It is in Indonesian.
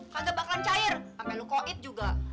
kagak bakalan cair amai lo koit juga